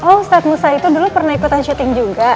oh ustadz musa itu dulu pernah ikutan syuting juga